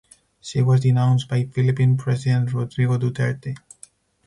She was denounced by Philippine president Rodrigo Duterte.